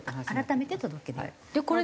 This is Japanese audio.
改めて届け出る。